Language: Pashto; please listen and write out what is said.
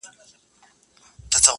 هم ښایسته هم په ځان غټ هم زورور دی٫